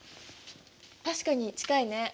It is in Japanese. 確かに近いね。